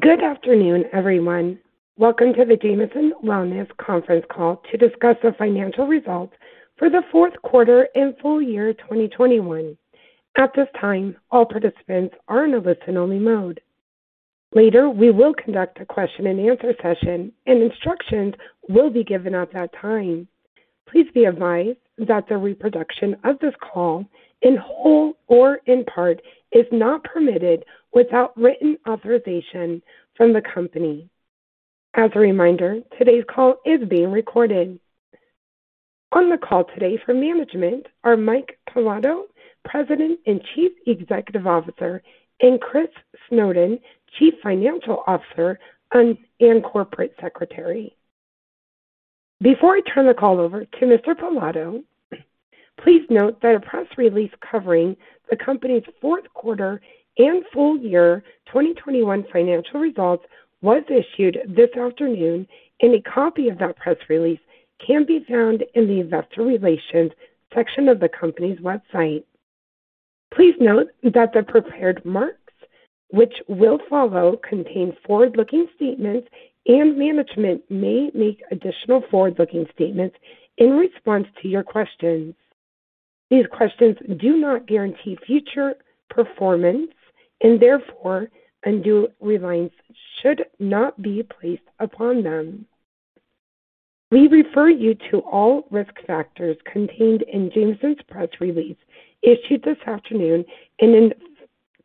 Good afternoon, everyone. Welcome to the Jamieson Wellness Conference Call to discuss the financial results for the fourth quarter and full year 2021. At this time, all participants are in a listen-only mode. Later, we will conduct a question-and-answer session, and instructions will be given at that time. Please be advised that the reproduction of this call, in whole or in part, is not permitted without written authorization from the company. As a reminder, today's call is being recorded. On the call today from management are Mike Pilato, President and Chief Executive Officer, and Chris Snowden, Chief Financial Officer and Corporate Secretary. Before I turn the call over to Mr. Pilato, please note that a press release covering the company's fourth quarter and full year 2021 financial results was issued this afternoon, and a copy of that press release can be found in the investor relations section of the company's website. Please note that the prepared remarks which will follow contain forward-looking statements and management may make additional forward-looking statements in response to your questions. These statements do not guarantee future performance and therefore, undue reliance should not be placed upon them. We refer you to all risk factors contained in Jamieson's press release issued this afternoon and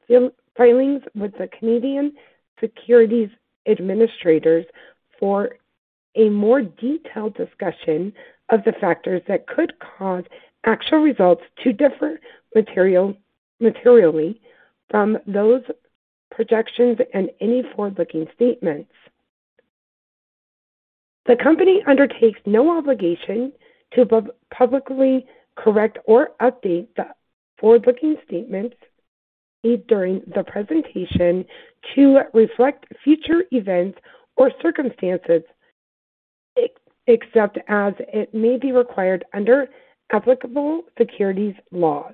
in filings with the Canadian Securities Administrators for a more detailed discussion of the factors that could cause actual results to differ materially from those projections and any forward-looking statements. The company undertakes no obligation to publicly correct or update the forward-looking statements made during the presentation to reflect future events or circumstances except as it may be required under applicable securities laws.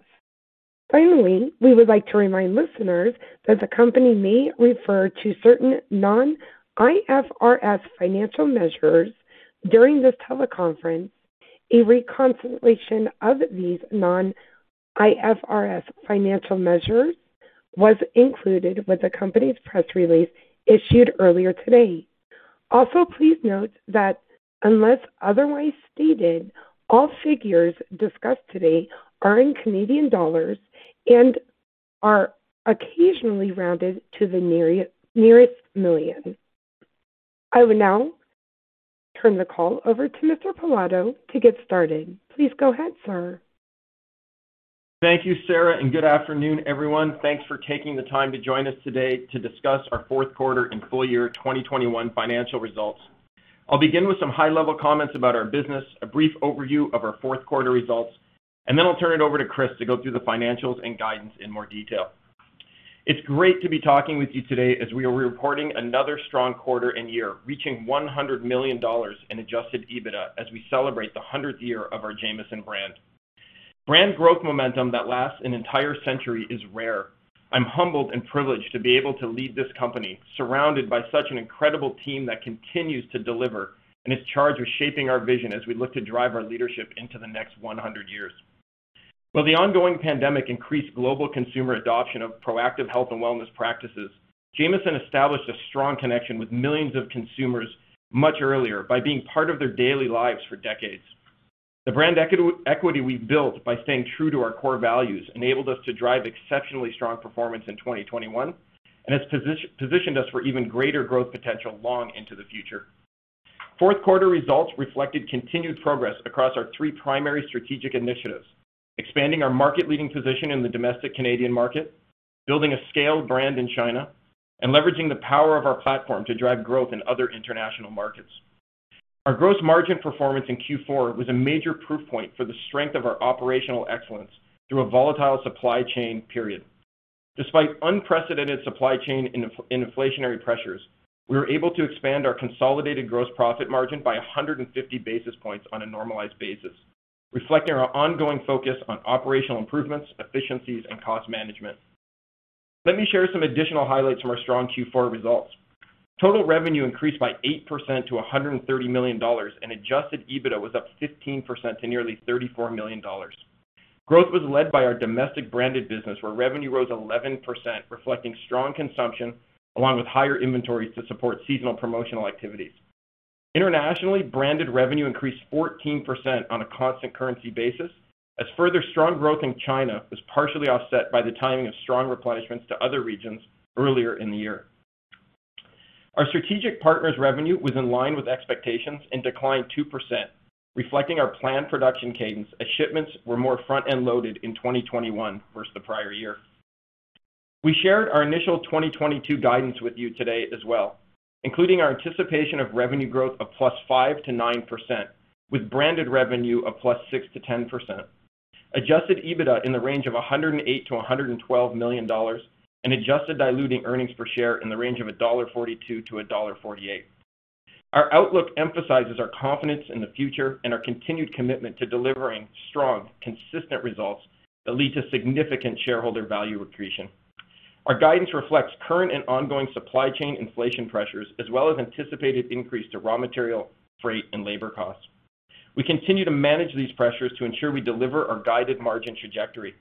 Finally, we would like to remind listeners that the company may refer to certain non-IFRS financial measures during this teleconference. A reconciliation of these non-IFRS financial measures was included with the company's press release issued earlier today. Also, please note that unless otherwise stated, all figures discussed today are in Canadian dollars and are occasionally rounded to the nearest million. I will now turn the call over to Mr. Pilato to get started. Please go ahead, sir. Thank you, Sarah, and good afternoon, everyone. Thanks for taking the time to join us today to discuss our fourth quarter and full year 2021 financial results. I'll begin with some high-level comments about our business, a brief overview of our fourth quarter results, and then I'll turn it over to Chris to go through the financials and guidance in more detail. It's great to be talking with you today as we are reporting another strong quarter and year, reaching 100 million dollars in adjusted EBITDA as we celebrate the 100th year of our Jamieson brand. Brand growth momentum that lasts an entire century is rare. I'm humbled and privileged to be able to lead this company surrounded by such an incredible team that continues to deliver and is charged with shaping our vision as we look to drive our leadership into the next 100 years. While the ongoing pandemic increased global consumer adoption of proactive health and wellness practices, Jamieson established a strong connection with millions of consumers much earlier by being part of their daily lives for decades. The brand equity we built by staying true to our core values enabled us to drive exceptionally strong performance in 2021, and it's positioned us for even greater growth potential long into the future. Fourth quarter results reflected continued progress across our three primary strategic initiatives, expanding our market-leading position in the domestic Canadian market, building a scaled brand in China, and leveraging the power of our platform to drive growth in other international markets. Our gross margin performance in Q4 was a major proof point for the strength of our operational excellence through a volatile supply chain period. Despite unprecedented supply chain and inflationary pressures, we were able to expand our consolidated gross profit margin by 150 basis points on a normalized basis, reflecting our ongoing focus on operational improvements, efficiencies, and cost management. Let me share some additional highlights from our strong Q4 results. Total revenue increased by 8% to 130 million dollars, and adjusted EBITDA was up 15% to nearly 34 million dollars. Growth was led by our domestic branded business, where revenue rose 11%, reflecting strong consumption along with higher inventories to support seasonal promotional activities. Internationally, branded revenue increased 14% on a constant currency basis, as further strong growth in China was partially offset by the timing of strong replenishments to other regions earlier in the year. Our strategic partners revenue was in line with expectations and declined 2%, reflecting our planned production cadence as shipments were more front-end loaded in 2021 versus the prior year. We shared our initial 2022 guidance with you today as well, including our anticipation of revenue growth of +5%-9%, with branded revenue of +6%-10%. Adjusted EBITDA in the range of 108 million-112 million dollars and adjusted diluted earnings per share in the range of 1.42-1.48 dollar. Our outlook emphasizes our confidence in the future and our continued commitment to delivering strong, consistent results that lead to significant shareholder value accretion. Our guidance reflects current and ongoing supply chain inflation pressures, as well as anticipated increase to raw material, freight, and labor costs. We continue to manage these pressures to ensure we deliver our guided margin trajectory.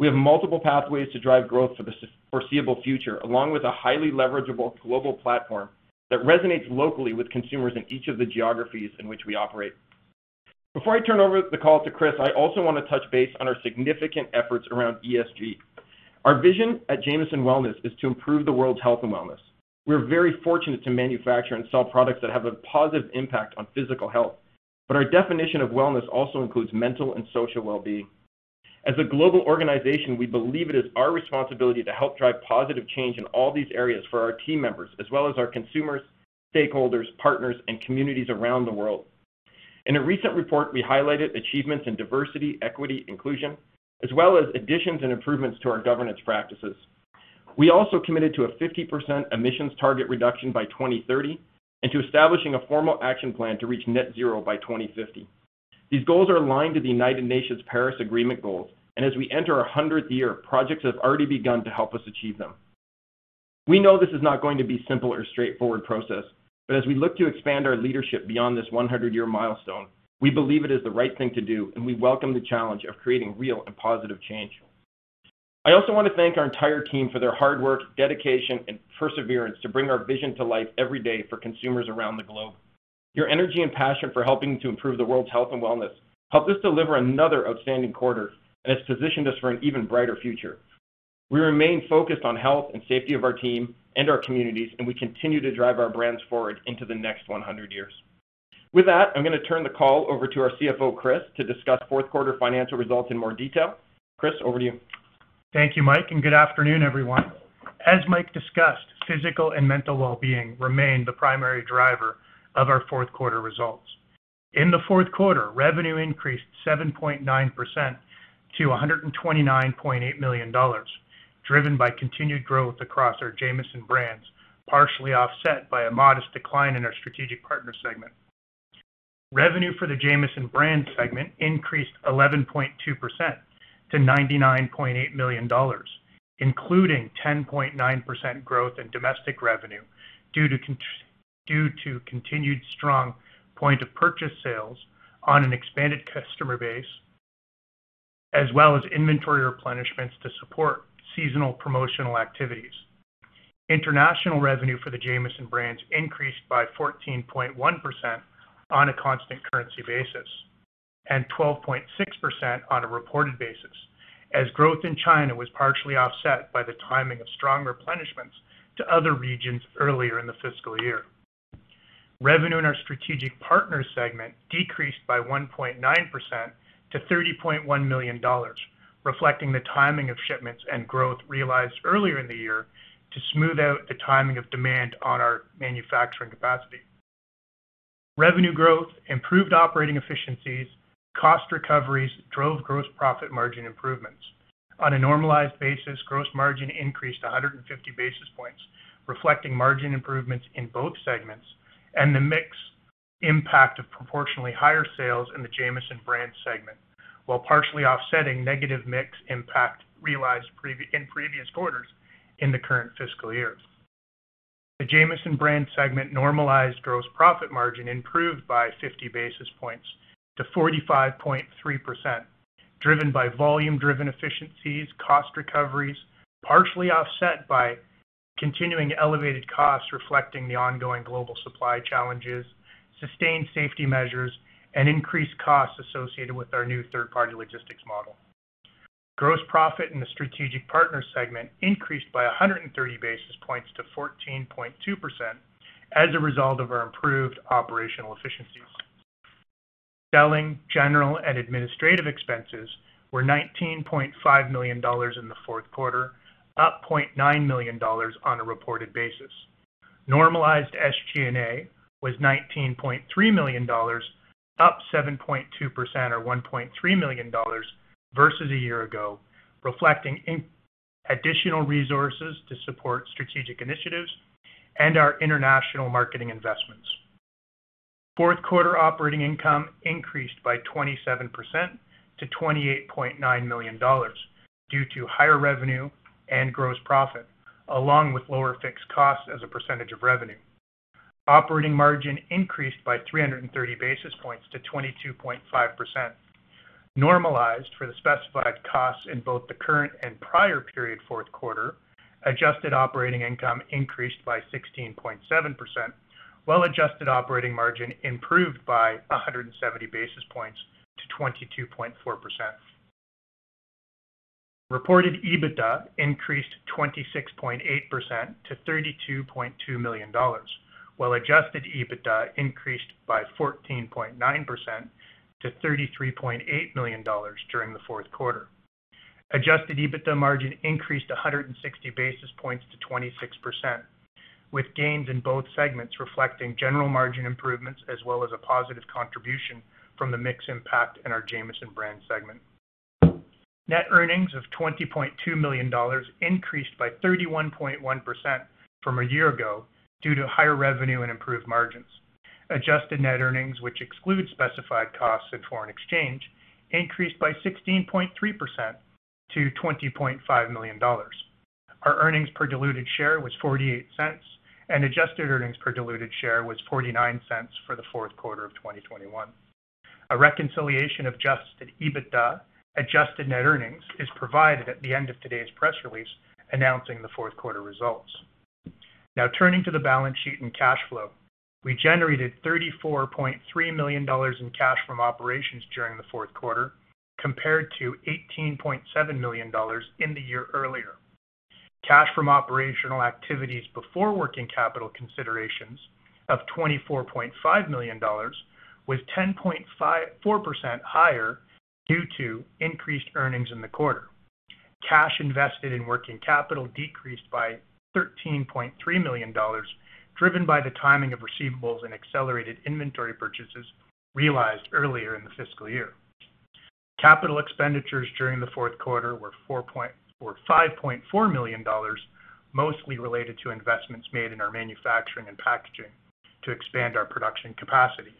We have multiple pathways to drive growth for the foreseeable future, along with a highly leverageable global platform that resonates locally with consumers in each of the geographies in which we operate. Before I turn over the call to Chris, I also wanna touch base on our significant efforts around ESG. Our vision at Jamieson Wellness is to improve the world's health and wellness. We're very fortunate to manufacture and sell products that have a positive impact on physical health, but our definition of wellness also includes mental and social well-being. As a global organization, we believe it is our responsibility to help drive positive change in all these areas for our team members, as well as our consumers, stakeholders, partners, and communities around the world. In a recent report, we highlighted achievements in diversity, equity, inclusion, as well as additions and improvements to our governance practices. We also committed to a 50% emissions target reduction by 2030, and to establishing a formal action plan to reach net zero by 2050. These goals are aligned to the United Nations Paris Agreement goals, and as we enter our 100th year, projects have already begun to help us achieve them. We know this is not going to be simple or straightforward process, but as we look to expand our leadership beyond this 100-year milestone, we believe it is the right thing to do, and we welcome the challenge of creating real and positive change. I also wanna thank our entire team for their hard work, dedication, and perseverance to bring our vision to life every day for consumers around the globe. Your energy and passion for helping to improve the world's health and wellness helped us deliver another outstanding quarter and has positioned us for an even brighter future. We remain focused on health and safety of our team and our communities, and we continue to drive our brands forward into the next one hundred years. With that, I'm gonna turn the call over to our CFO, Chris, to discuss fourth quarter financial results in more detail. Chris, over to you. Thank you, Mike, and good afternoon, everyone. As Mike discussed, physical and mental well-being remained the primary driver of our fourth quarter results. In the fourth quarter, revenue increased 7.9% to 129.8 million dollars, driven by continued growth across our Jamieson brands, partially offset by a modest decline in our strategic partner segment. Revenue for the Jamieson brand segment increased 11.2% to 99.8 million dollars, including 10.9% growth in domestic revenue due to continued strong point of purchase sales on an expanded customer base, as well as inventory replenishments to support seasonal promotional activities. International revenue for the Jamieson brands increased by 14.1% on a constant currency basis, and 12.6% on a reported basis, as growth in China was partially offset by the timing of strong replenishments to other regions earlier in the fiscal year. Revenue in our Strategic Partners segment decreased by 1.9% to 30.1 million dollars, reflecting the timing of shipments and growth realized earlier in the year to smooth out the timing of demand on our manufacturing capacity. Revenue growth, improved operating efficiencies, cost recoveries drove gross profit margin improvements. On a normalized basis, gross margin increased 150 basis points, reflecting margin improvements in both segments and the mix impact of proportionally higher sales in the Jamieson brand segment, while partially offsetting negative mix impact realized in previous quarters in the current fiscal year. The Jamieson brand segment normalized gross profit margin improved by 50 basis points to 45.3%, driven by volume-driven efficiencies, cost recoveries, partially offset by continuing elevated costs reflecting the ongoing global supply challenges, sustained safety measures, and increased costs associated with our new third-party logistics model. Gross profit in the strategic partner segment increased by 130 basis points to 14.2% as a result of our improved operational efficiencies. Selling, general, and administrative expenses were 19.5 million dollars in the fourth quarter, up 0.9 million dollars on a reported basis. Normalized SG&A was 19.3 million dollars, up 7.2% or 1.3 million dollars versus a year ago, reflecting additional resources to support strategic initiatives and our international marketing investments. Fourth quarter operating income increased by 27% to 28.9 million dollars due to higher revenue and gross profit, along with lower fixed costs as a percentage of revenue. Operating margin increased by 330 basis points to 22.5%. Normalized for the specified costs in both the current and prior period fourth quarter, adjusted operating income increased by 16.7%, while adjusted operating margin improved by 170 basis points to 22.4%. Reported EBITDA increased 26.8% to 32.2 million dollars, while adjusted EBITDA increased by 14.9% to 33.8 million dollars during the fourth quarter. Adjusted EBITDA margin increased 100 basis points to 26%, with gains in both segments reflecting general margin improvements as well as a positive contribution from the mix impact in our Jamieson brand segment. Net earnings of 20.2 million dollars increased by 31.1% from a year ago due to higher revenue and improved margins. Adjusted net earnings, which exclude specified costs and foreign exchange, increased by 16.3% to 20.5 million dollars. Our earnings per diluted share was 0.48, and adjusted earnings per diluted share was 0.49 for the fourth quarter of 2021. A reconciliation of adjusted EBITDA, adjusted net earnings is provided at the end of today's press release announcing the fourth quarter results. Now turning to the balance sheet and cash flow. We generated 34.3 million dollars in cash from operations during the fourth quarter, compared to 18.7 million dollars in the year earlier. Cash from operational activities before working capital considerations of CAD 24.5 million was 4% higher due to increased earnings in the quarter. Cash invested in working capital decreased by 13.3 million dollars, driven by the timing of receivables and accelerated inventory purchases realized earlier in the fiscal year. Capital expenditures during the fourth quarter were 5.4 million dollars, mostly related to investments made in our manufacturing and packaging to expand our production capacity.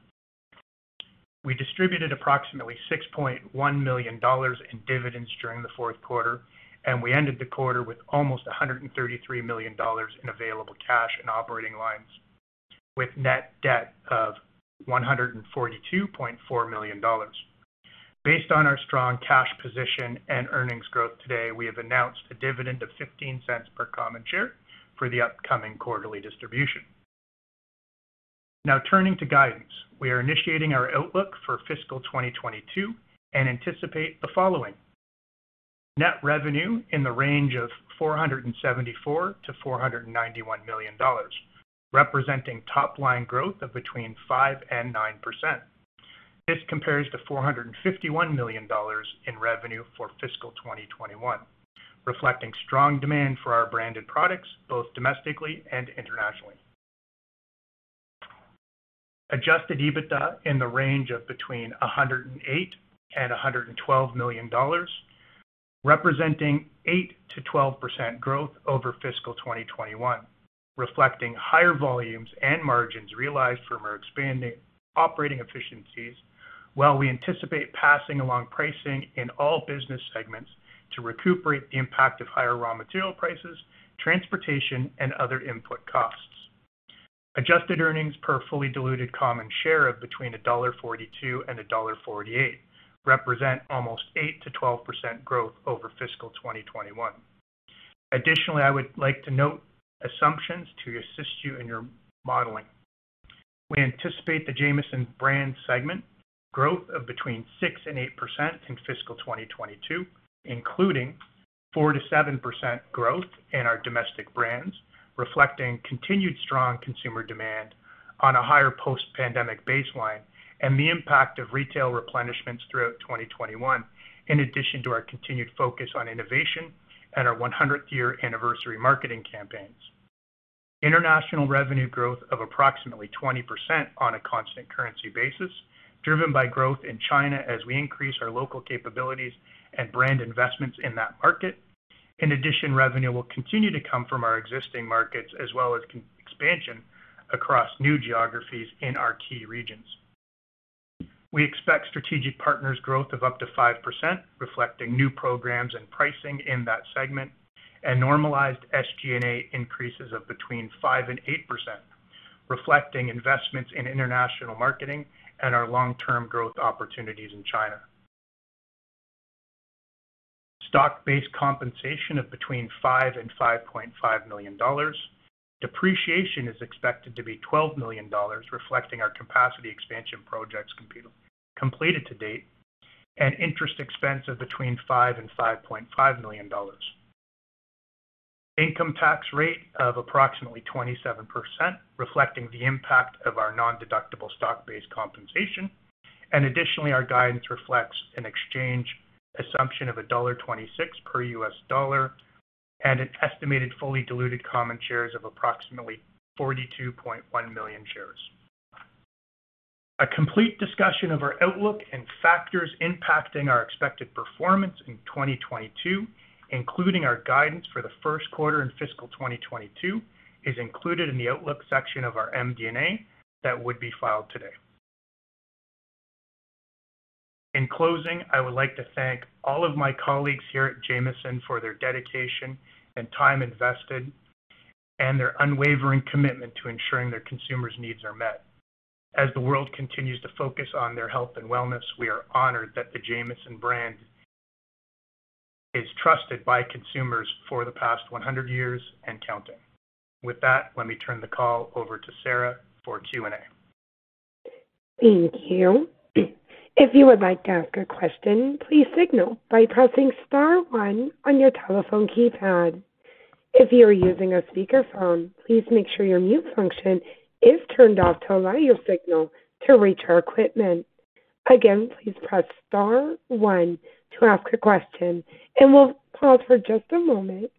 We distributed approximately 6.1 million dollars in dividends during the fourth quarter, and we ended the quarter with almost 133 million dollars in available cash and operating lines, with net debt of 142.4 million dollars. Based on our strong cash position and earnings growth, today, we have announced a dividend of 0.15 per common share for the upcoming quarterly distribution. Now turning to guidance. We are initiating our outlook for fiscal 2022 and anticipate the following. Net revenue in the range of 474 million-491 million dollars, representing top line growth of between 5%-9%. This compares to 451 million dollars in revenue for fiscal 2021, reflecting strong demand for our branded products both domestically and internationally. Adjusted EBITDA in the range of between 108 million and 112 million dollars, representing 8%-12% growth over fiscal 2021, reflecting higher volumes and margins realized from our expanding operating efficiencies, while we anticipate passing along pricing in all business segments to recuperate the impact of higher raw material prices, transportation and other input costs. Adjusted earnings per fully diluted common share of between dollar 1.42 and dollar 1.48 represent almost 8%-12% growth over fiscal 2021. Additionally, I would like to note assumptions to assist you in your modeling. We anticipate the Jamieson Brand segment growth of between 6% and 8% in fiscal 2022, including 4%-7% growth in our domestic brands, reflecting continued strong consumer demand on a higher post-pandemic baseline and the impact of retail replenishments throughout 2021. In addition to our continued focus on innovation and our 100th year anniversary marketing campaigns. International revenue growth of approximately 20% on a constant currency basis, driven by growth in China as we increase our local capabilities and brand investments in that market. In addition, revenue will continue to come from our existing markets as well as expansion across new geographies in our key regions. We expect strategic partners growth of up to 5%, reflecting new programs and pricing in that segment and normalized SG&A increases of between 5% and 8%, reflecting investments in international marketing and our long-term growth opportunities in China. Stock-based compensation of between 5 million and 5.5 million dollars. Depreciation is expected to be 12 million dollars, reflecting our capacity expansion projects completed to date, and interest expense of between 5 million and 5.5 million dollars. Income tax rate of approximately 27%, reflecting the impact of our non-deductible stock-based compensation. Additionally, our guidance reflects an exchange assumption of $1.26 per US dollar and an estimated fully diluted common shares of approximately 42.1 million shares. A complete discussion of our outlook and factors impacting our expected performance in 2022, including our guidance for the first quarter in fiscal 2022, is included in the outlook section of our MD&A that would be filed today. In closing, I would like to thank all of my colleagues here at Jamieson for their dedication and time invested and their unwavering commitment to ensuring their consumers' needs are met. As the world continues to focus on their health and wellness, we are honored that the Jamieson brand is trusted by consumers for the past 100 years and counting. With that, let me turn the call over to Sarah for Q&A. Thank you. If you would like to ask a question, please signal by pressing star one on your telephone keypad. If you are using a speakerphone, please make sure your mute function is turned off to allow your signal to reach our equipment. Again, please press star one to ask a question, and we'll pause for just a moment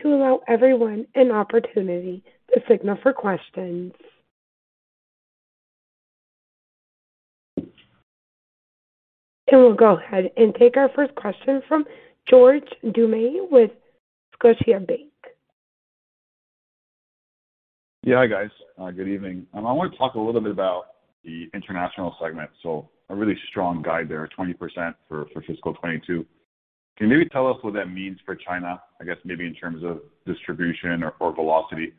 to allow everyone an opportunity to signal for questions. We'll go ahead and take our first question from George Doumet with Scotiabank. Yeah. Hi, guys. Good evening. I want to talk a little bit about the international segment. A really strong guide there, 20% for fiscal 2022. Can you maybe tell us what that means for China, I guess maybe in terms of distribution or velocity?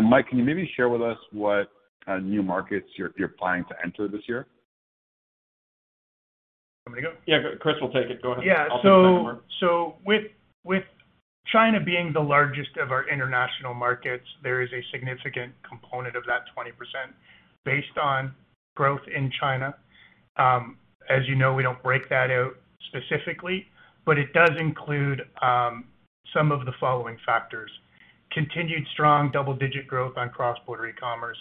Mike, can you maybe share with us what new markets you're planning to enter this year? You want me to go? Yeah. Chris will take it. Go ahead. Yeah. With China being the largest of our international markets, there is a significant component of that 20% based on growth in China. As you know, we don't break that out specifically, but it does include some of the following factors. Continued strong double-digit growth on cross-border e-commerce,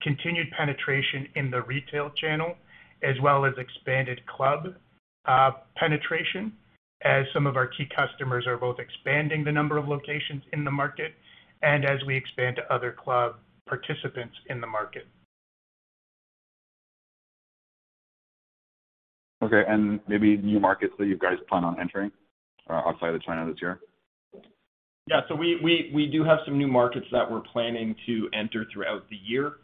continued penetration in the retail channel, as well as expanded club penetration as some of our key customers are both expanding the number of locations in the market and as we expand to other club participants in the market. Okay. Maybe new markets that you guys plan on entering outside of China this year? Yeah. We do have some new markets that we're planning to enter throughout the year.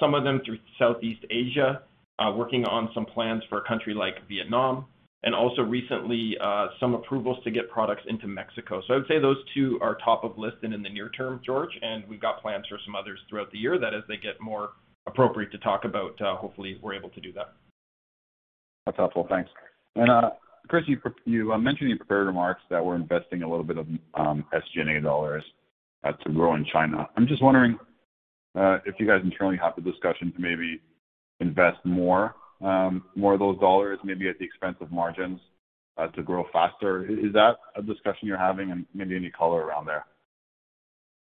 Some of them through Southeast Asia, working on some plans for a country like Vietnam, and also recently, some approvals to get products into Mexico. I would say those two are top of list and in the near term, George, and we've got plans for some others throughout the year that as they get more appropriate to talk about, hopefully we're able to do that. That's helpful. Thanks. Chris, you mentioned in your prepared remarks that we're investing a little bit of SG&A dollars to grow in China. I'm just wondering if you guys internally have the discussion to maybe invest more, more of those dollars maybe at the expense of margins to grow faster. Is that a discussion you're having and maybe any color around there?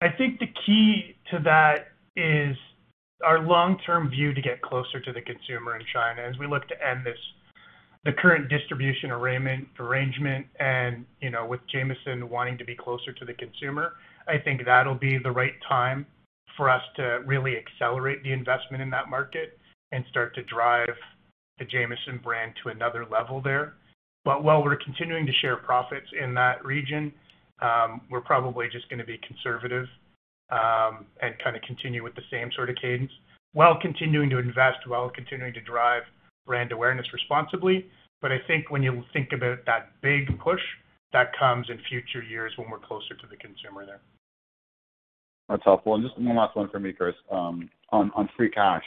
I think the key to that is our long-term view to get closer to the consumer in China as we look to end the current distribution arrangement and, you know, with Jamieson wanting to be closer to the consumer. I think that'll be the right time for us to really accelerate the investment in that market and start to drive the Jamieson brand to another level there. While we're continuing to share profits in that region, we're probably just gonna be conservative and kinda continue with the same sort of cadence while continuing to invest, while continuing to drive brand awareness responsibly. I think when you think about that big push, that comes in future years when we're closer to the consumer there. That's helpful. Just one last one for me, Chris. On free cash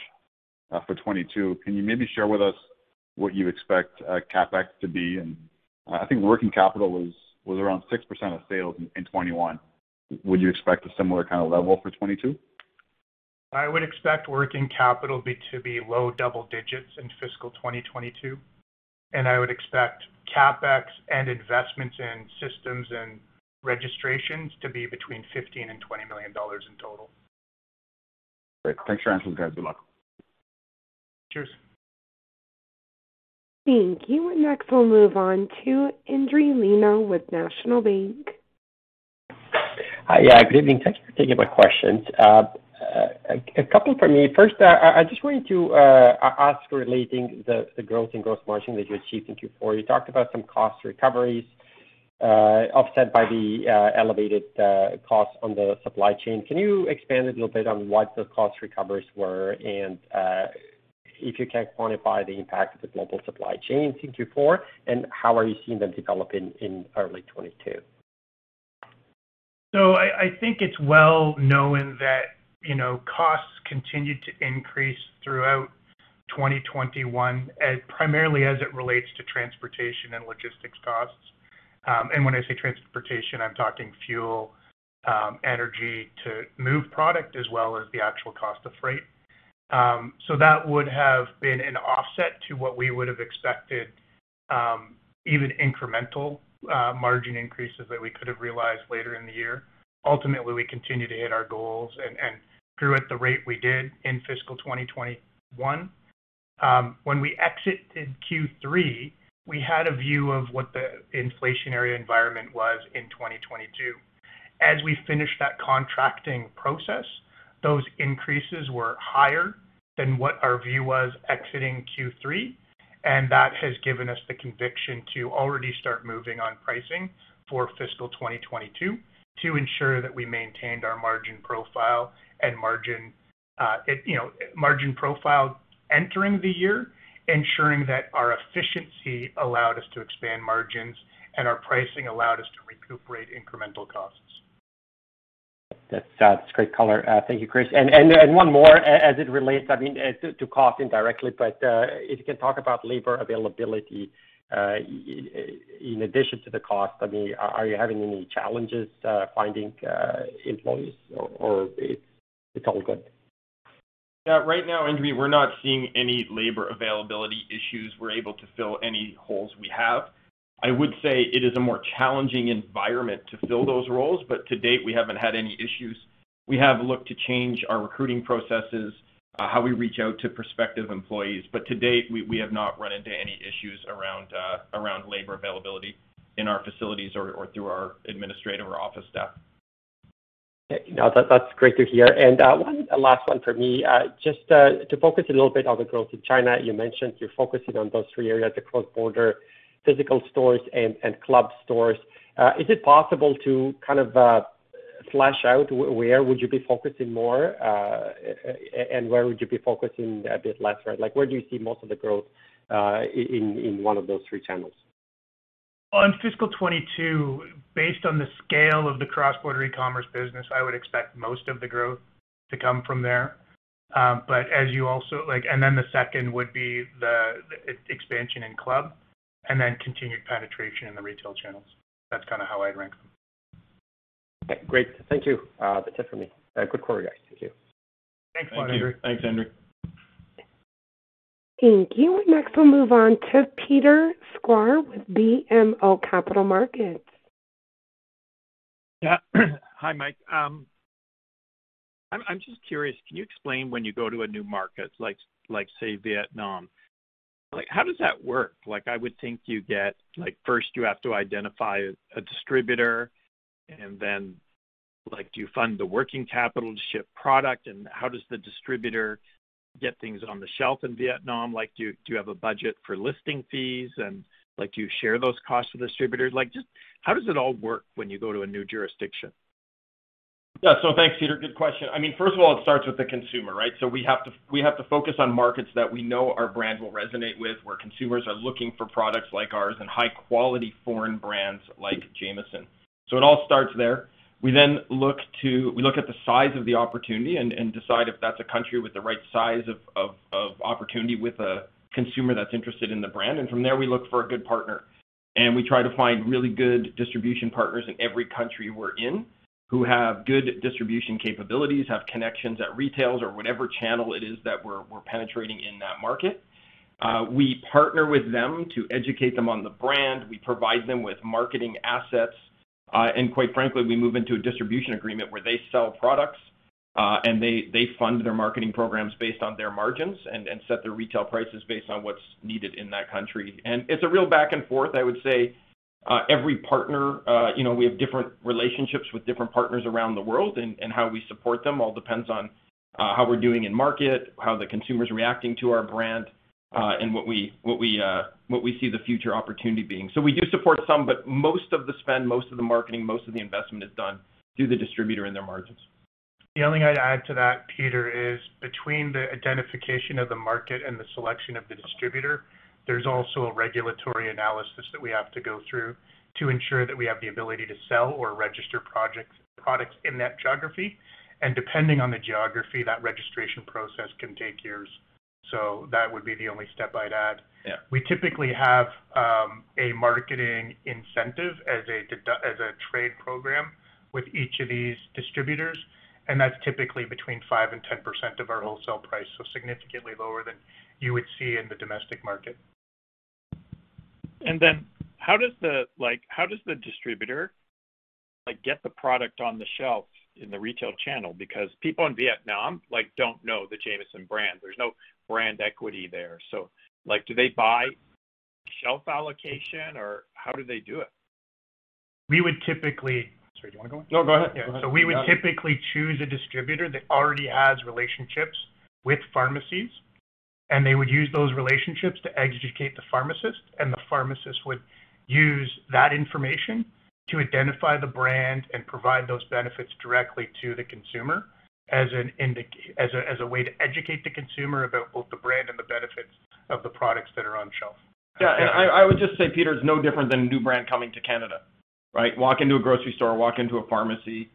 for 2022, can you maybe share with us what you expect CapEx to be? I think working capital was around 6% of sales in 2021. Would you expect a similar kinda level for 2022? I would expect working capital to be low double digits in fiscal 2022, and I would expect CapEx and investments in systems and registrations to be between 15 million and 20 million dollars in total. Great. Thanks for your answers, guys. Good luck. Cheers. Thank you. Next we'll move on to Andrew Lino with National Bank. Hi. Yeah, good evening. Thank you for taking my questions. A couple for me. First, I just wanted to ask relating to the growth in gross margin that you achieved in Q4. You talked about some cost recoveries offset by the elevated costs on the supply chain. Can you expand a little bit on what the cost recoveries were? And if you can quantify the impact of the global supply chain in Q4, and how are you seeing them develop in early 2022? I think it's well known that costs continued to increase throughout 2021, primarily as it relates to transportation and logistics costs. When I say transportation, I'm talking fuel, energy to move product as well as the actual cost of freight. That would have been an offset to what we would have expected, even incremental margin increases that we could have realized later in the year. Ultimately, we continued to hit our goals and grew at the rate we did in fiscal 2021. When we exited Q3, we had a view of what the inflationary environment was in 2022. As we finished that contracting process, those increases were higher than what our view was exiting Q3, and that has given us the conviction to already start moving on pricing for fiscal 2022 to ensure that we maintained our margin profile and margin, you know, margin profile entering the year, ensuring that our efficiency allowed us to expand margins and our pricing allowed us to recuperate incremental costs. That's great color. Thank you, Chris. One more, as it relates, I mean, to cost indirectly, but if you can talk about labor availability in addition to the cost. I mean, are you having any challenges finding employees or it's all good? Yeah. Right now, Andrew, we're not seeing any labor availability issues. We're able to fill any holes we have. I would say it is a more challenging environment to fill those roles, but to date, we haven't had any issues. We have looked to change our recruiting processes, how we reach out to prospective employees, but to date, we have not run into any issues around labor availability in our facilities or through our administrative or office staff. Okay. No, that's great to hear. One last one for me. Just to focus a little bit on the growth in China, you mentioned you're focusing on those three areas, the cross-border, physical stores, and club stores. Is it possible to kind of flesh out where would you be focusing more, and where would you be focusing a bit less, right? Like, where do you see most of the growth in one of those three channels? On fiscal 2022, based on the scale of the cross-border e-commerce business, I would expect most of the growth to come from there. Like, the second would be the e-expansion in club, and then continued penetration in the retail channels. That's kinda how I'd rank them. Okay, great. Thank you. That's it for me. Good quarter, guys. Thank you. Thanks, Andrew. Thank you. Next we'll move on to Peter Sklar with BMO Capital Markets. Yeah. Hi, Mike. I'm just curious, can you explain when you go to a new market like, say, Vietnam, like, how does that work? Like, I would think you get. First you have to identify a distributor, and then, like, do you fund the working capital to ship product? And how does the distributor get things on the shelf in Vietnam? Like, do you have a budget for listing fees? And, like, do you share those costs with distributors? Like, just how does it all work when you go to a new jurisdiction? Yeah. Thanks, Peter. Good question. I mean, first of all, it starts with the consumer, right? We have to focus on markets that we know our brand will resonate with, where consumers are looking for products like ours and high-quality foreign brands like Jamieson. It all starts there. We look at the size of the opportunity and decide if that's a country with the right size of opportunity with a consumer that's interested in the brand. From there, we look for a good partner, and we try to find really good distribution partners in every country we're in, who have good distribution capabilities, have connections at retailers or whatever channel it is that we're penetrating in that market. We partner with them to educate them on the brand. We provide them with marketing assets. Quite frankly, we move into a distribution agreement where they sell products, and they fund their marketing programs based on their margins and set their retail prices based on what's needed in that country. It's a real back and forth, I would say. Every partner, you know, we have different relationships with different partners around the world, and how we support them all depends on how we're doing in market, how the consumer's reacting to our brand, and what we see the future opportunity being. We do support some, but most of the spend, most of the marketing, most of the investment is done through the distributor and their margins. The only thing I'd add to that, Peter, is between the identification of the market and the selection of the distributor, there's also a regulatory analysis that we have to go through to ensure that we have the ability to sell or register products in that geography. Depending on the geography, that registration process can take years. That would be the only step I'd add. Yeah. We typically have a marketing incentive as a trade program with each of these distributors, and that's typically between 5%-10% of our wholesale price, so significantly lower than you would see in the domestic market. how does the distributor, like, get the product on the shelf in the retail channel? Because people in Vietnam, like, don't know the Jamieson brand. There's no brand equity there. So, like, do they buy shelf allocation, or how do they do it? Sorry, do you wanna go? No, go ahead. Go ahead. We would typically choose a distributor that already has relationships with pharmacies, and they would use those relationships to educate the pharmacist, and the pharmacist would use that information to identify the brand and provide those benefits directly to the consumer as a way to educate the consumer about both the brand and the benefits of the products that are on shelf. Yeah. I would just say, Peter, it's no different than a new brand coming to Canada, right? Walk into a grocery store, walk into a pharmacy,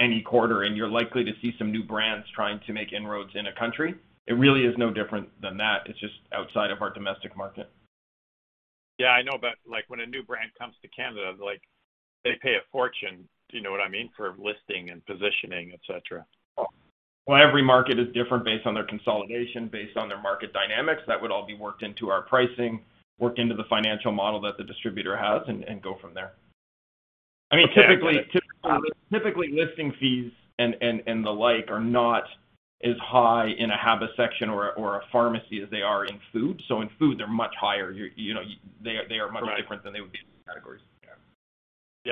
any quarter, and you're likely to see some new brands trying to make inroads in a country. It really is no different than that. It's just outside of our domestic market. Yeah, I know, but, like, when a new brand comes to Canada, like, they pay a fortune. Do you know what I mean? For listing and positioning, et cetera. Well, every market is different based on their consolidation, based on their market dynamics. That would all be worked into our pricing, worked into the financial model that the distributor has and go from there. I mean, typically listing fees and the like are not as high in a HABA section or a pharmacy as they are in food. In food they're much higher. You know, they are much different than they would be in other categories. Yeah.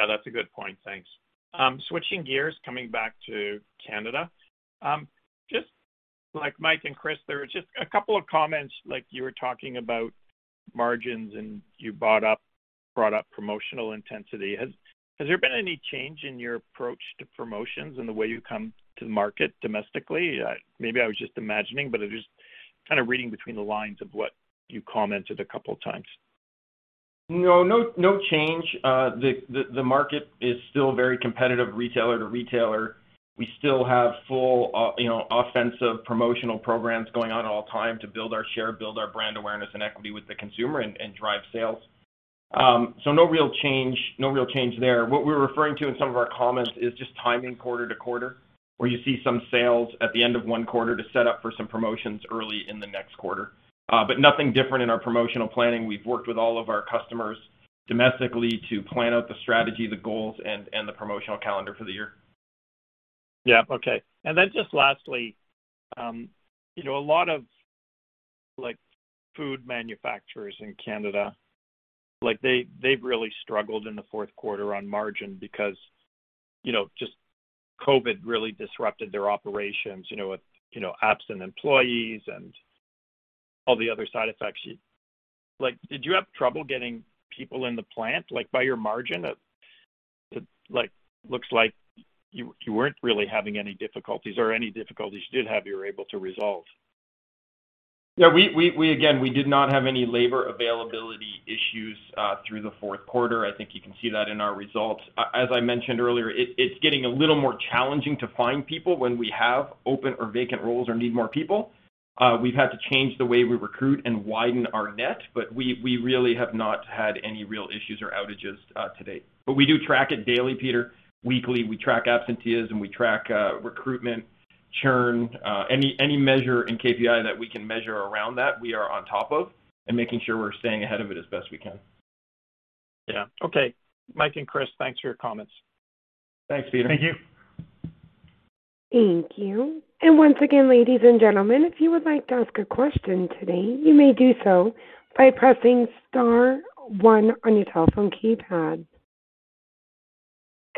Yeah, that's a good point. Thanks. Switching gears, coming back to Canada. Just like Mike and Chris, there were just a couple of comments, like you were talking about margins, and you brought up promotional intensity. Has there been any change in your approach to promotions and the way you come to the market domestically? Maybe I was just imagining, but just kinda reading between the lines of what you commented a couple times. No change. The market is still very competitive retailer to retailer. We still have full offensive promotional programs going on at all times, you know, to build our share, build our brand awareness and equity with the consumer and drive sales. No real change there. What we're referring to in some of our comments is just timing quarter-to-quarter, where you see some sales at the end of one quarter to set up for some promotions early in the next quarter. Nothing different in our promotional planning. We've worked with all of our customers domestically to plan out the strategy, the goals and the promotional calendar for the year. Yeah. Okay. Just lastly, you know, a lot of, like food manufacturers in Canada, like they've really struggled in the fourth quarter on margin because, you know, just COVID really disrupted their operations, you know, with you know, absent employees and all the other side effects. Like, did you have trouble getting people in the plant, like by your margin? It looks like you weren't really having any difficulties or any difficulties you did have, you were able to resolve. Yeah. We again did not have any labor availability issues through the fourth quarter. I think you can see that in our results. As I mentioned earlier, it's getting a little more challenging to find people when we have open or vacant roles or need more people. We've had to change the way we recruit and widen our net, but we really have not had any real issues or outages to date. We do track it daily, Peter. Weekly, we track absenteeism, we track recruitment, churn. Any measure in KPI that we can measure around that we are on top of and making sure we're staying ahead of it as best we can. Yeah. Okay. Mike and Chris, thanks for your comments. Thanks, Peter. Thank you. Thank you. Once again, ladies and gentlemen, if you would like to ask a question today, you may do so by pressing star one on your telephone keypad.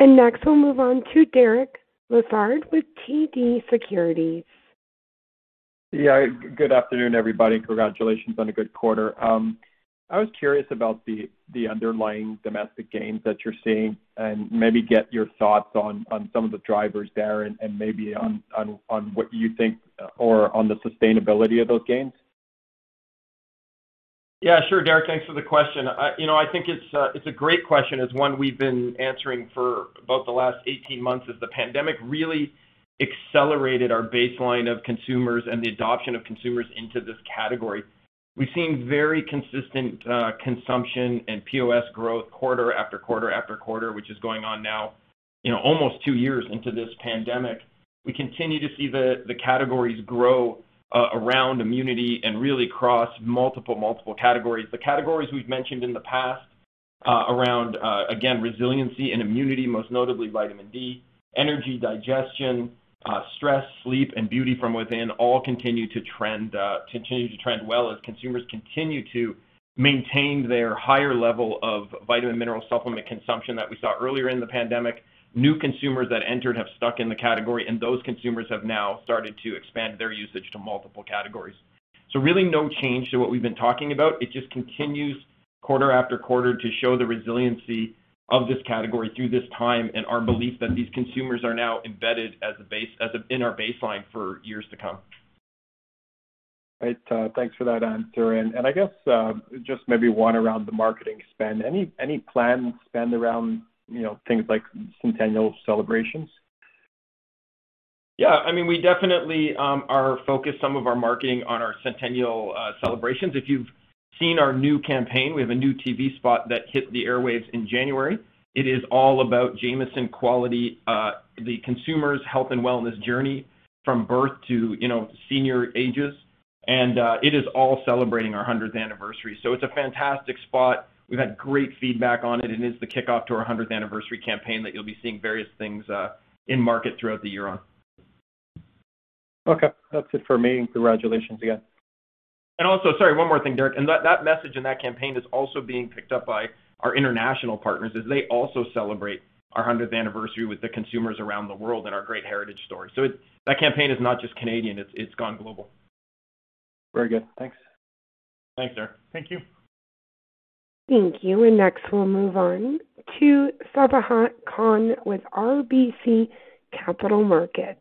Next, we'll move on to Derek Lessard with TD Securities. Yeah. Good afternoon, everybody, and congratulations on a good quarter. I was curious about the underlying domestic gains that you're seeing and maybe get your thoughts on some of the drivers there and maybe on what you think or on the sustainability of those gains. Yeah. Sure, Derek. Thanks for the question. You know, I think it's a great question. It's one we've been answering for about the last 18 months as the pandemic really accelerated our baseline of consumers and the adoption of consumers into this category. We've seen very consistent consumption and POS growth quarter after quarter after quarter, which is going on now, you know, almost two years into this pandemic. We continue to see the categories grow around immunity and really cross multiple categories. The categories we've mentioned in the past around again resiliency and immunity, most notably vitamin D, energy, digestion, stress, sleep and beauty from within all continue to trend well as consumers continue to maintain their higher level of vitamin mineral supplement consumption that we saw earlier in the pandemic. New consumers that entered have stuck in the category, and those consumers have now started to expand their usage to multiple categories. Really no change to what we've been talking about. It just continues quarter after quarter to show the resiliency of this category through this time and our belief that these consumers are now embedded as in our baseline for years to come. Great. Thanks for that answer. I guess, just maybe one around the marketing spend. Any planned spend around, you know, things like centennial celebrations? Yeah. I mean, we definitely are focused some of our marketing on our centennial celebrations. If you've seen our new campaign, we have a new TV spot that hit the airwaves in January. It is all about Jamieson quality, the consumer's health and wellness journey from birth to, you know, senior ages. It is all celebrating our hundredth anniversary. It's a fantastic spot. We've had great feedback on it. It is the kickoff to our hundredth anniversary campaign that you'll be seeing various things in market throughout the year on. Okay. That's it for me. Congratulations again. Also, sorry, one more thing, Derek. That message in that campaign is also being picked up by our international partners as they also celebrate our hundredth anniversary with the consumers around the world and our great heritage story. That campaign is not just Canadian, it's gone global. Very good. Thanks. Thanks, Derek. Thank you. Next, we'll move on to Sabahat Khan with RBC Capital Markets.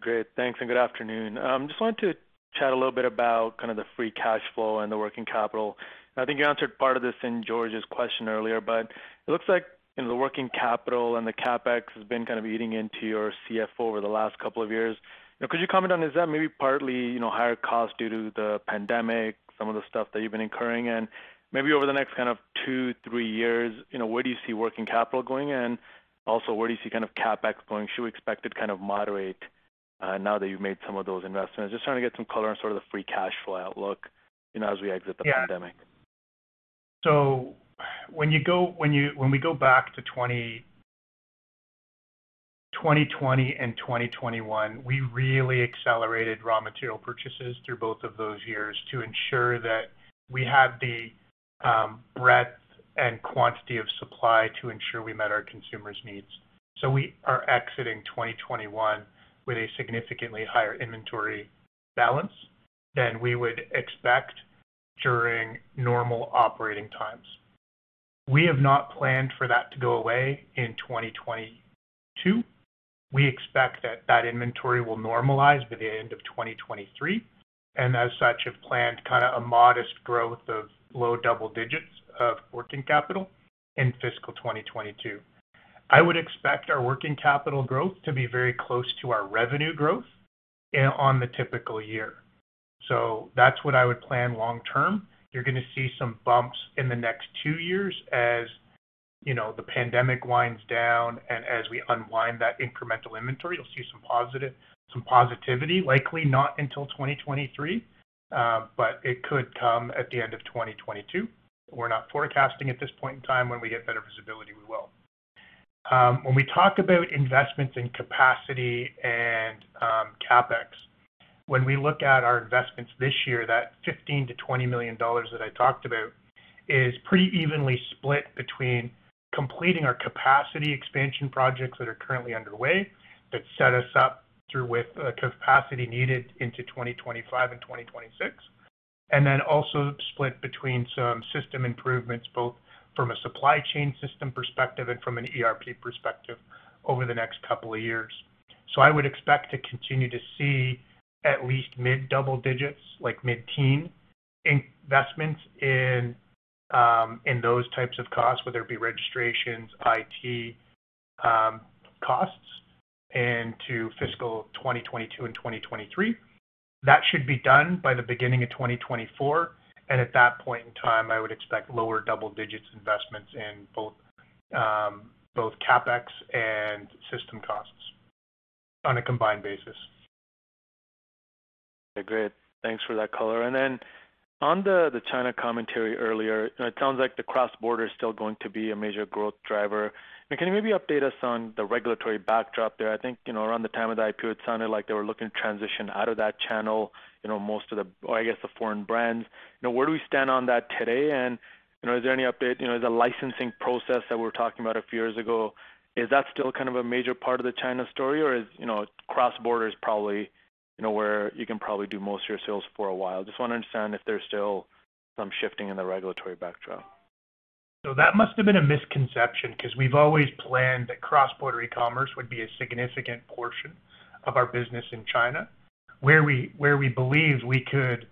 Great. Thanks, and good afternoon. Just wanted to chat a little bit about kind of the free cash flow and the working capital. I think you answered part of this in George's question earlier, but it looks like, you know, the working capital and the CapEx has been kind of eating into your CFO over the last couple of years. Could you comment on is that maybe partly, you know, higher cost due to the pandemic, some of the stuff that you've been incurring? And maybe over the next kind of two, three years, you know, where do you see working capital going? And also, where do you see kind of CapEx going? Should we expect it to kind of moderate, now that you've made some of those investments? Just trying to get some color on sort of the free cash flow outlook, you know, as we exit the pandemic. Yeah. When we go back to 2020 and 2021, we really accelerated raw material purchases through both of those years to ensure that we have the breadth and quantity of supply to ensure we met our consumers' needs. We are exiting 2021 with a significantly higher inventory balance than we would expect during normal operating times. We have not planned for that to go away in 2022. We expect that inventory will normalize by the end of 2023, and as such, have planned kinda a modest growth of low double digits of working capital in fiscal 2022. I would expect our working capital growth to be very close to our revenue growth on the typical year. That's what I would plan long term. You're gonna see some bumps in the next two years as, you know, the pandemic winds down and as we unwind that incremental inventory. You'll see some positive, some positivity, likely not until 2023, but it could come at the end of 2022. We're not forecasting at this point in time. When we get better visibility, we will. When we talk about investments in capacity and CapEx, when we look at our investments this year, that 15 million-20 million dollars that I talked about is pretty evenly split between completing our capacity expansion projects that are currently underway that set us up through with the capacity needed into 2025 and 2026. Also split between some system improvements, both from a supply chain system perspective and from an ERP perspective over the next couple of years. I would expect to continue to see at least mid-double digits, like mid-teen investments in those types of costs, whether it be registrations, IT, costs into fiscal 2022 and 2023. That should be done by the beginning of 2024. At that point in time, I would expect lower double digits investments in both CapEx and system costs on a combined basis. Great. Thanks for that color. Then on the China commentary earlier, it sounds like the cross-border is still going to be a major growth driver. Can you maybe update us on the regulatory backdrop there? I think, you know, around the time of the IPO, it sounded like they were looking to transition out of that channel, you know, most of the or I guess the foreign brands. You know, where do we stand on that today? You know, is there any update, you know, the licensing process that we're talking about a few years ago, is that still kind of a major part of the China story, or is, you know, cross-border is probably, you know, where you can probably do most of your sales for a while? Just wanna understand if there's still some shifting in the regulatory backdrop. That must have been a misconception because we've always planned that cross-border e-commerce would be a significant portion of our business in China. Where we believe we could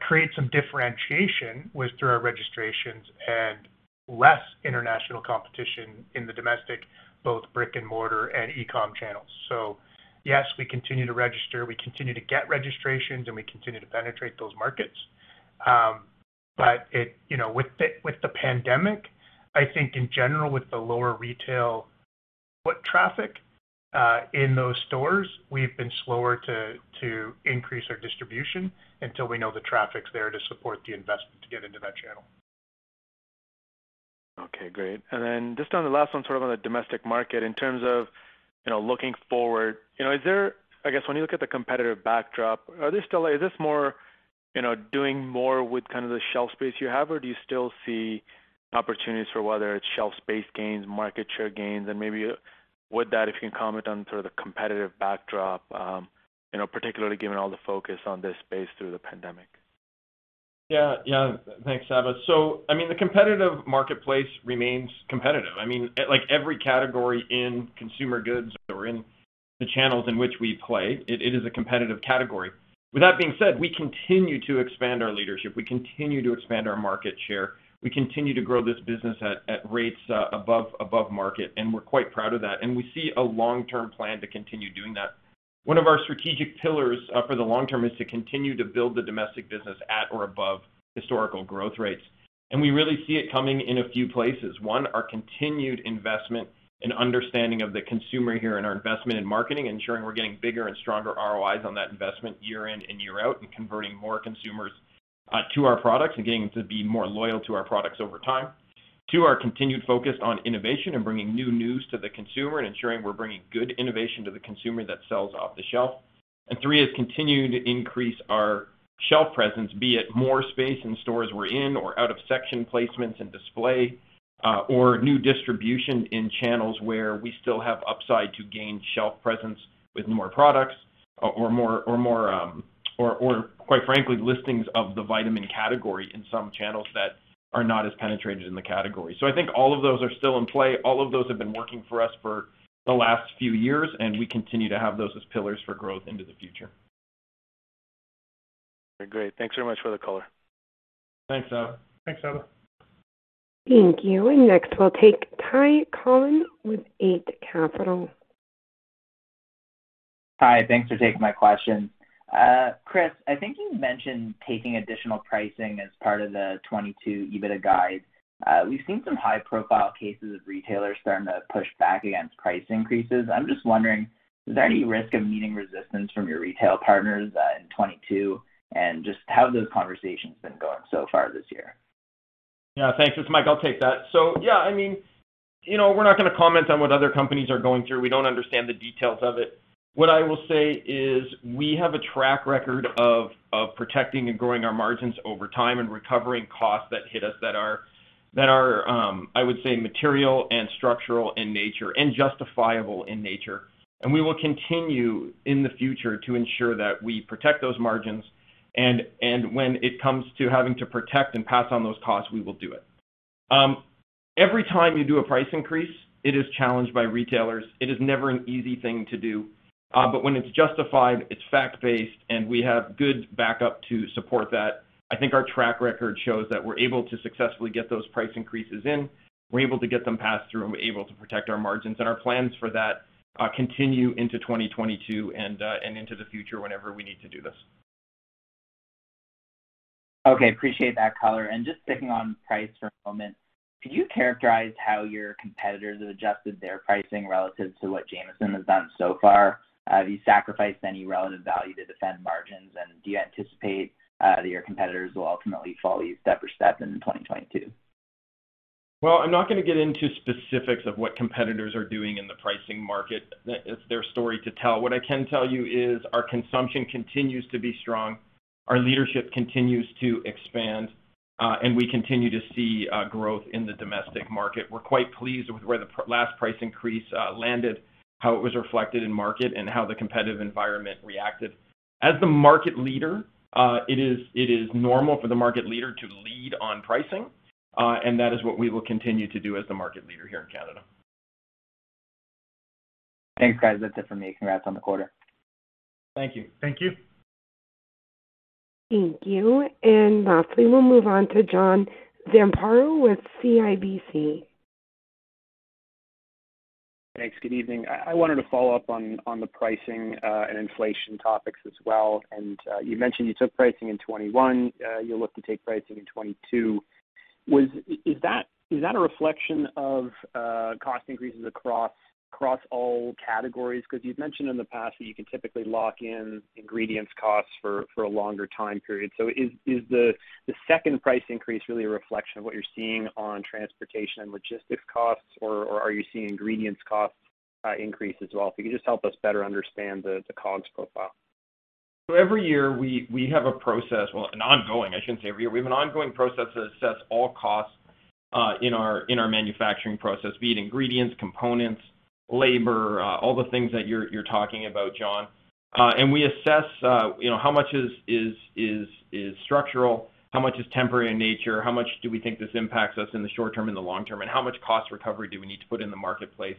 create some differentiation was through our registrations and less international competition in the domestic, both brick and mortar and e-com channels. Yes, we continue to register, we continue to get registrations, and we continue to penetrate those markets. But you know, with the pandemic, I think in general, with the lower retail foot traffic in those stores, we've been slower to increase our distribution until we know the traffic's there to support the investment to get into that channel. Okay, great. Then just on the last one, sort of on the domestic market, in terms of, you know, looking forward, you know, is there, I guess when you look at the competitive backdrop, is this more, you know, doing more with kind of the shelf space you have, or do you still see opportunities for whether it's shelf space gains, market share gains? Maybe with that, if you can comment on sort of the competitive backdrop, you know, particularly given all the focus on this space through the pandemic. Yeah, yeah. Thanks, Sabahat. I mean, the competitive marketplace remains competitive. I mean, like every category in consumer goods or in the channels in which we play, it is a competitive category. With that being said, we continue to expand our leadership. We continue to expand our market share. We continue to grow this business at rates above market, and we're quite proud of that. We see a long-term plan to continue doing that. One of our strategic pillars for the long term is to continue to build the domestic business at or above historical growth rates. We really see it coming in a few places. One, our continued investment and understanding of the consumer here and our investment in marketing, ensuring we're getting bigger and stronger ROIs on that investment year in and year out, and converting more consumers to our products and getting to be more loyal to our products over time. Two, our continued focus on innovation and bringing newness to the consumer and ensuring we're bringing good innovation to the consumer that sells off the shelf. Three is continuing to increase our shelf presence, be it more space in stores we're in or out of section placements and display, or new distribution in channels where we still have upside to gain shelf presence with more products or more, or quite frankly, listings of the vitamin category in some channels that are not as penetrated in the category. I think all of those are still in play. All of those have been working for us for the last few years, and we continue to have those as pillars for growth into the future. Great. Thanks very much for the color. Thanks, Sabahat. Thanks, Sabahat. Thank you. Next, we'll take Ty Collin with Eight Capital. Hi, thanks for taking my question. Chris, I think you mentioned taking additional pricing as part of the 2022 EBITDA guide. We've seen some high-profile cases of retailers starting to push back against price increases. I'm just wondering, is there any risk of meeting resistance from your retail partners, in 2022? Just how have those conversations been going so far this year? Yeah, thanks. It's Mike. I'll take that. Yeah, I mean, you know, we're not gonna comment on what other companies are going through. We don't understand the details of it. What I will say is we have a track record of protecting and growing our margins over time and recovering costs that hit us that are, I would say, material and structural in nature and justifiable in nature. We will continue in the future to ensure that we protect those margins. When it comes to having to protect and pass on those costs, we will do it. Every time you do a price increase, it is challenged by retailers. It is never an easy thing to do. But when it's justified, it's fact-based, and we have good backup to support that. I think our track record shows that we're able to successfully get those price increases in. We're able to get them passed through and we're able to protect our margins. Our plans for that continue into 2022 and into the future whenever we need to do this. Okay. Appreciate that color. Just sticking on price for a moment, could you characterize how your competitors have adjusted their pricing relative to what Jamieson has done so far? Have you sacrificed any relative value to defend margins? Do you anticipate that your competitors will ultimately follow you step-for-step in 2022? Well, I'm not gonna get into specifics of what competitors are doing in the pricing market. That is their story to tell. What I can tell you is our consumption continues to be strong, our leadership continues to expand, and we continue to see growth in the domestic market. We're quite pleased with where the last price increase landed, how it was reflected in market, and how the competitive environment reacted. As the market leader, it is normal for the market leader to lead on pricing, and that is what we will continue to do as the market leader here in Canada. Thanks, guys. That's it for me. Congrats on the quarter. Thank you. Thank you. Thank you. Lastly, we'll move on to John Zamparo with CIBC. Thanks. Good evening. I wanted to follow up on the pricing and inflation topics as well. You mentioned you took pricing in 2021. You'll look to take pricing in 2022. Is that a reflection of cost increases across all categories? 'Cause you'd mentioned in the past that you can typically lock in ingredients costs for a longer time period. Is the second price increase really a reflection of what you're seeing on transportation and logistics costs? Or are you seeing ingredients costs increase as well? If you could just help us better understand the COGS profile. Every year we have a process. Well, an ongoing, I shouldn't say every year. We have an ongoing process that assess all costs in our manufacturing process, be it ingredients, components, labor, all the things that you're talking about, John. We assess you know, how much is structural? How much is temporary in nature? How much do we think this impacts us in the short term and the long term? How much cost recovery do we need to put in the marketplace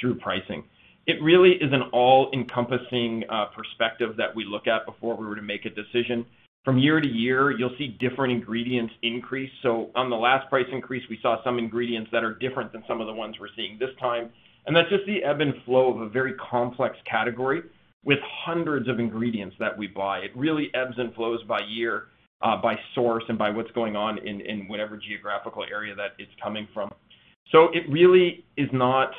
through pricing? It really is an all-encompassing perspective that we look at before we were to make a decision. From year to year, you'll see different ingredients increase. On the last price increase, we saw some ingredients that are different than some of the ones we're seeing this time. That's just the ebb and flow of a very complex category with hundreds of ingredients that we buy. It really ebbs and flows by year, by source, and by what's going on in whatever geographical area that it's coming from. It really is not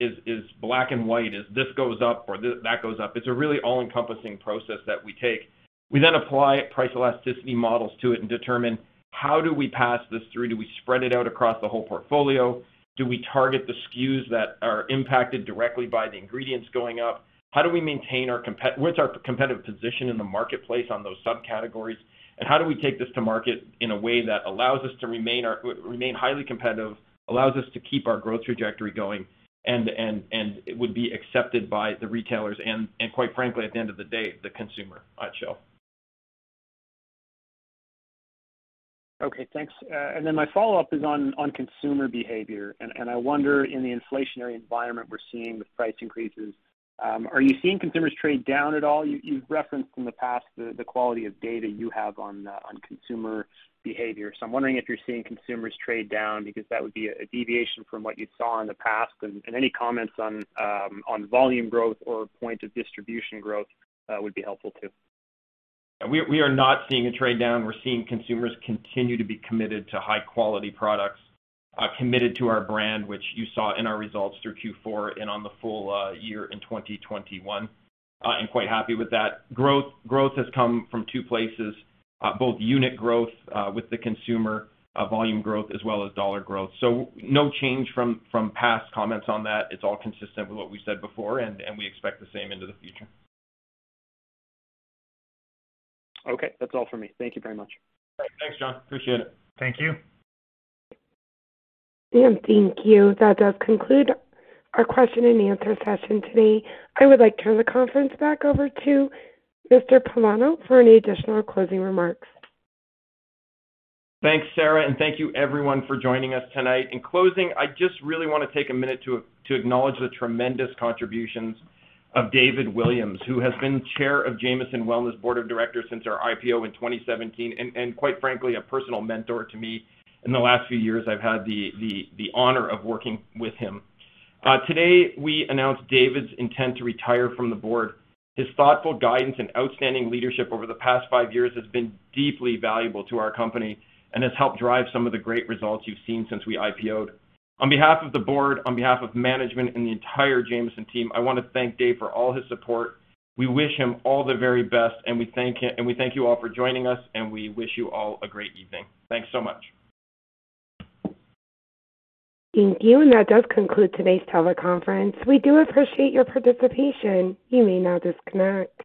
as black and white as this goes up or that goes up. It's a really all-encompassing process that we take. We then apply price elasticity models to it and determine how do we pass this through? Do we spread it out across the whole portfolio? Do we target the SKUs that are impacted directly by the ingredients going up? What's our competitive position in the marketplace on those subcategories? How do we take this to market in a way that allows us to remain highly competitive, allows us to keep our growth trajectory going, and it would be accepted by the retailers and quite frankly, at the end of the day, the consumer at POS? Okay, thanks. My follow-up is on consumer behavior. I wonder, in the inflationary environment we're seeing with price increases, are you seeing consumers trade down at all? You've referenced in the past the quality of data you have on consumer behavior. I'm wondering if you're seeing consumers trade down, because that would be a deviation from what you saw in the past. Any comments on volume growth or point of distribution growth would be helpful too. We are not seeing a trade down. We're seeing consumers continue to be committed to high-quality products, committed to our brand, which you saw in our results through Q4 and on the full year in 2021. I'm quite happy with that. Growth has come from two places, both unit growth with the consumer volume growth, as well as dollar growth. No change from past comments on that. It's all consistent with what we said before, and we expect the same into the future. Okay. That's all for me. Thank you very much. All right. Thanks, John. Appreciate it. Thank you. Thank you. That does conclude our question and answer session today. I would like to turn the conference back over to Mr. Pilato for any additional closing remarks. Thanks, Sarah. Thank you everyone for joining us tonight. In closing, I just really wanna take a minute to acknowledge the tremendous contributions of David Williams, who has been Chair of Jamieson Wellness Board of Directors since our IPO in 2017 and quite frankly, a personal mentor to me. In the last few years, I've had the honor of working with him. Today, we announced David's intent to retire from the board. His thoughtful guidance and outstanding leadership over the past five years has been deeply valuable to our company and has helped drive some of the great results you've seen since we IPO'd. On behalf of the board, on behalf of management and the entire Jamieson team, I wanna thank Dave for all his support. We wish him all the very best, and we thank you all for joining us, and we wish you all a great evening. Thanks so much. Thank you. That does conclude today's teleconference. We do appreciate your participation. You may now disconnect.